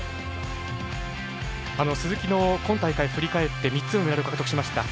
鈴木の今大会振り返って３つのメダルを獲得しました。